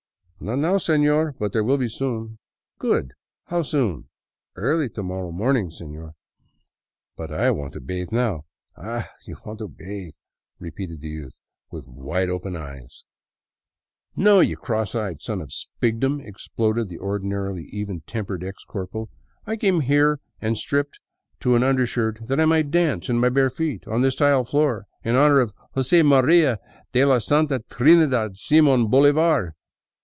" Not now, seiior, but there will be soon." "Good. How soon?" " Early to morrow morning, sefior." '• But I want to bathe now !"" Ah, you want to bathe ?" repeated the youth, with wide open eyes. 29 VAGABONDING DOWN THE ANDES " No, you cross eyed Son of Spigdom," exploded the ordinarily even tempered ex corporal, " I came here and stripped to an under shirt that I might dance in my bare feet on this tile floor in honor of Jose Maria de la Santa Trindidad Simon Bolivar!